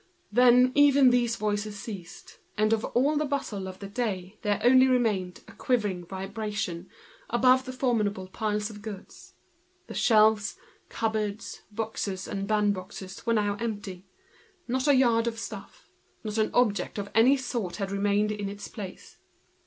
Then even these voices ceased, and there remained of the bustle of the day nothing but a shivering, above the formidable piles of goods. The shelves, cupboards, boxes, and band boxes, were now empty: not a yard of stuff, not an object of any sort had remained in its place.